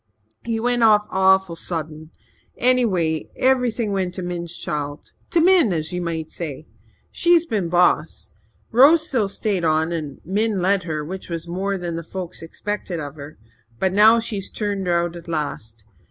He went off awful sudden. Anyway, everything went to Min's child to Min as ye might say. She's been boss. Rose still stayed on there and Min let her, which was more than folks expected of her. But she's turned her out at last.